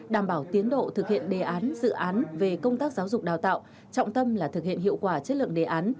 đảm bảo tiến độ thực hiện đề án dự án về công tác giáo dục đào tạo trọng tâm là thực hiện hiệu quả chất lượng đề án